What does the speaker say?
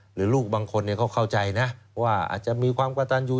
หรือลูกบางคนก็เข้าใจนะว่าอาจจะมีความกระตันอยู่